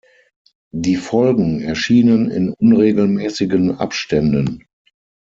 Die Folgen erschienen in unregelmäßigen Abständen.